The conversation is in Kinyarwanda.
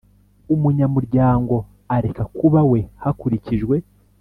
umunyamuryango areka kuba we hakurikijwe